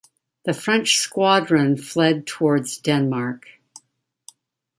The French squadron fled towards Denmark.